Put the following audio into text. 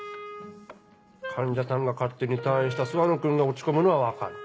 患者さんが勝手に退院した諏訪野君が落ち込むのは分かる。